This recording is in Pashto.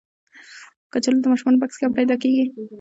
کچالو د ماشومانو بکس کې هم پیدا کېږي